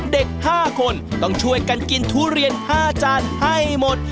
เด็ก๕คนต้องช่วยกันกินทุเรียน๕จานให้หมด